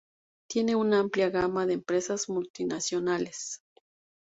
Tiene una amplia gama de empresas multinacionales.